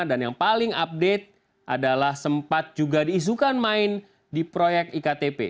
dan yang paling update adalah sempat juga diisukan main di proyek iktp